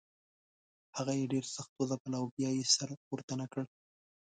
هغه یې ډېر سخت وځپل او بیا یې سر پورته نه کړ.